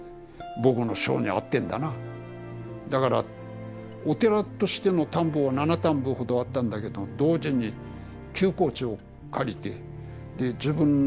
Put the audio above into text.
だからお寺としての田んぼは７反歩ほどあったんだけど同時に休耕地を借りてで自分の寺の田んぼと合わせて１町４反。